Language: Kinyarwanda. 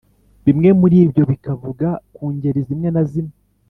Bimwe muri byo bikavuga ku ngeri zimwe na zimwe